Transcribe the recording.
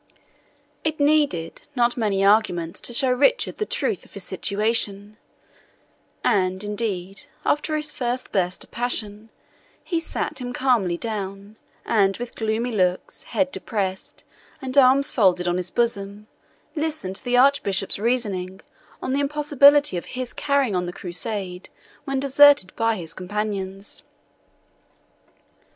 It needed not many arguments to show Richard the truth of his situation; and indeed, after his first burst of passion, he sat him calmly down, and with gloomy looks, head depressed, and arms folded on his bosom, listened to the Archbishop's reasoning on the impossibility of his carrying on the Crusade when deserted by his companions.